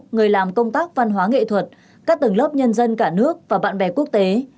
người làm công tác văn hóa nghệ thuật các tầng lớp nhân dân cả nước và bạn bè quốc tế